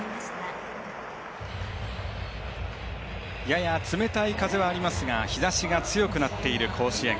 やや冷たい風はありますが日ざしが強くなっている甲子園。